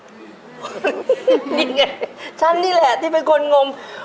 นี่ไงฉันนี่แหละที่เป็นคนงม